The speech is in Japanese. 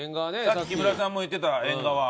さっき木村さんも言ってたえんがわ。